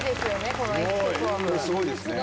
これすごいですね。